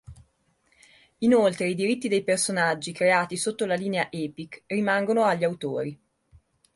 Inoltre i diritti dei personaggi creati sotto la linea "Epic" rimangono agli autori.